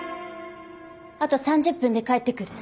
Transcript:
あと３０分で帰ってくる。